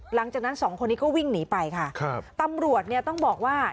หลังจากนั้น๒คนนี้ก็วิ่งหนีไปค่ะตำรวจต้องบอกว่า